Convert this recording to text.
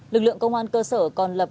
lực lượng công an cơ sở còn lập